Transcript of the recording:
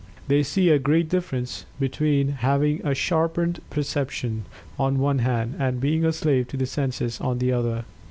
They see a great difference between having a sharpened perception, on the one hand, and being a slave to the senses on the other.